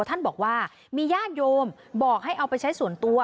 ท่านบอกว่ามีญาติโยมบอกให้เอาไปใช้ส่วนตัว